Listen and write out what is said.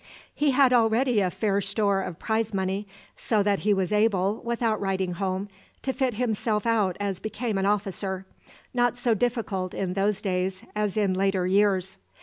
He had already a fair store of prize money, so that he was able, without writing home, to fit himself out as became an officer, not so difficult in those days as in later years.